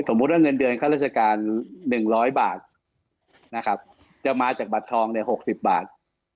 ว่าเงินเดือนค่าราชการ๑๐๐บาทนะครับจะมาจากบัตรทองเนี่ย๖๐บาท